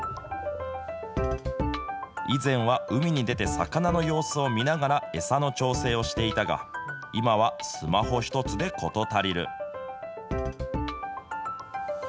以前は海に出て魚の様子を見ながら、餌の調整をしていたが、今はスマホ一つで事足りる。